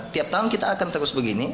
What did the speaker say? tiap tahun kita akan terus begini